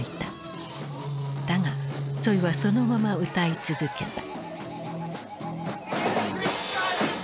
だがツォイはそのまま歌い続けた。